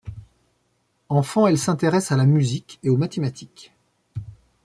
Enfant, elle s'intéresse à la musique et aux mathématiques.